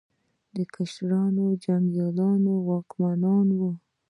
کشتریان جنګیالي او واکمنان وو.